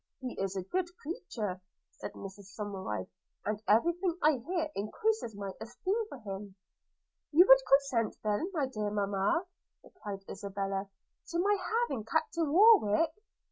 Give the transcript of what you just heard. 'He is a good creature,' said Mrs Somerive; 'and every thing I hear encreases my esteem for him.' 'You would consent then, my dear mamma,' replied Isabella, 'to my having Captain Warwick?'